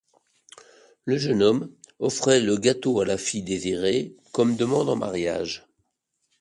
Le jeune homme offrait le gâteau à la fille désirée, comme demande en mariage.